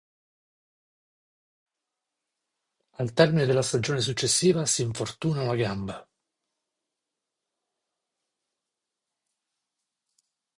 Al termine della stagione successiva s'infortuna a una gamba.